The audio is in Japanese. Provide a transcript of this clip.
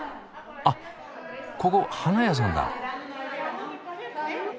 あっここ花屋さんだ。